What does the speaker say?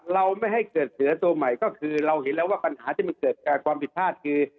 เราไม่ให้เกิดเสือตัวใหม่ก็คือเราเห็นแล้วว่าปัญหาที่มันเกิดความผิดพลาดคือ